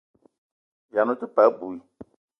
Vian ou te paa abui.